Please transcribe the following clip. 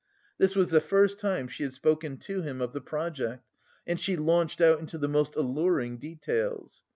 This was the first time she had spoken to him of the project, and she launched out into the most alluring details.